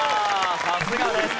さすがです！